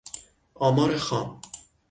آمار خام